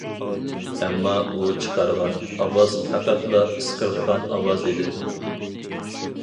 ئەمما ئۇ چىقارغان ئاۋاز پەقەتلا ئىسقىرتقان ئاۋاز ئىدى.